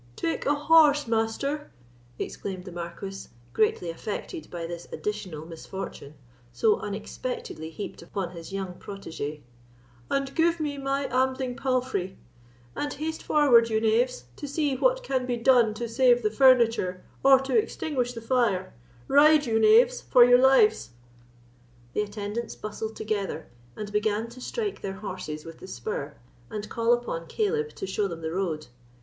"Take a horse, Master," exclaimed the Marquis, greatly affected by this additional misfortune, so unexpectedly heaped upon his young protege; "and give me my ambling palfrey; and haste forward, you knaves, to see what can be done to save the furniture, or to extinguish the fire—ride, you knaves, for your lives!" The attendants bustled together, and began to strike their horses with the spur, and call upon Caleb to show them the road.